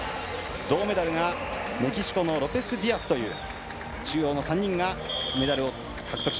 銅メダルがメキシコのロペスディアスという中央の３人がメダルを獲得。